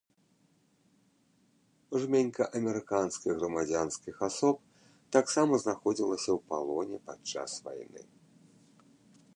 Жменька амерыканскіх грамадзянскіх асоб таксама знаходзілася ў палоне падчас вайны.